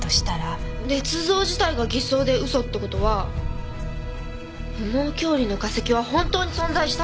捏造自体が偽装で嘘って事は羽毛恐竜の化石は本当に存在した！？